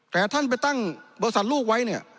แต่ท่านไปตั้งบริษัทลูกไว้เนี่ย